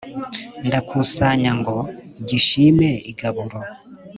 Ndakusanya ngo gishime igaburo.